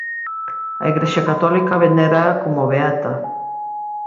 A Igrexa católica venéraa como beata.